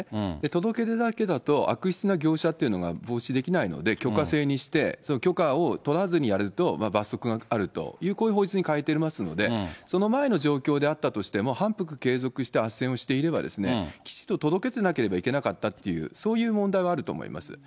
届け出だけだと悪質な業者っていうのが防止できないので、許可制して、その許可を取らずにやると、罰則があるという、こういう法律に変えていますので、その前の状況であったとしても、反復、継続してあっせんをしていれば、きちっと届けていなければいけなかったという、そういう問題はあると思います。